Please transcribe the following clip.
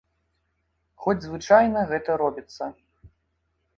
Хоць звычайна гэта робіцца.